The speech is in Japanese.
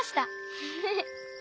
フフフ。